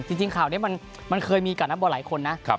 จริงข่าวนี้มันเคยมีกับนักบอลหลายคนนะ